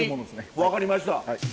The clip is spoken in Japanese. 分かりました。